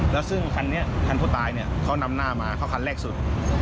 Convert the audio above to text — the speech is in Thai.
แล้วซึ่งคันนี้คันผู้ตายเนี่ยเขานำหน้ามาเขาคันแรกสุด